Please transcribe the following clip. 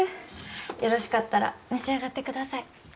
よろしかったら召し上がってください。